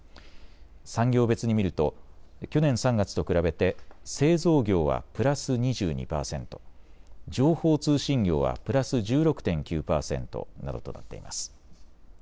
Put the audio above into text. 産業別に見ると去年３月と比べて製造業はプラス２２％情報通信業はプラス１６．９％などとなっています。